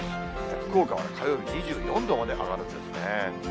福岡は火曜日２４度まで上がるんですね。